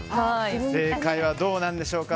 正解はどうなんでしょうか。